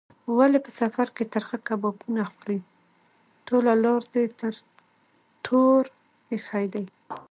ولې په سفر کې ترخه کبابونه خورې؟ ټوله لار دې ټر ټور ایښی دی.